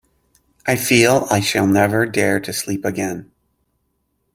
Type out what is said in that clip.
I feel I shall never dare to sleep again!